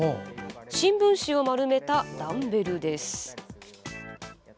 新聞紙を丸めたダンベルです。